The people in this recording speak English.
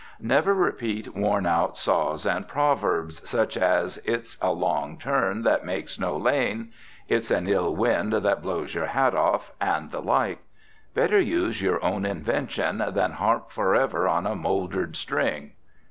Never repeat worn out saws and proverbs, such as "It's a long turn that makes no lane," "It's an ill wind that blows your hat off," and the like. Better use your own invention than harp forever on a moldered string.